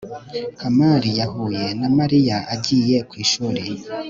kamari yahuye na mariya agiye ku ishuri